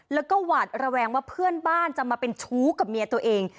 แล้วก็หวาดระแวงว่าเพื่อนบ้านจะมาเป็นชู้กับเมียตัวเอง